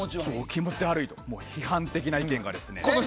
気持ち悪いと批判的な意見が。